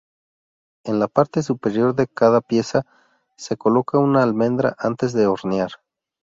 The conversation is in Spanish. En la parte superior de cada pieza se coloca una almendra antes de hornear.